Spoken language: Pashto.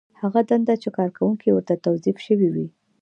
هغه دنده چې کارکوونکی ورته توظیف شوی وي.